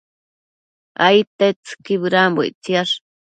Aidtetsëqui bëdambo ictsiash